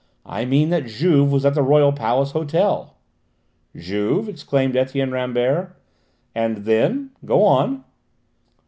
"I mean that Juve was at the Royal Palace Hotel." "Juve?" exclaimed Etienne Rambert. "And then go on!"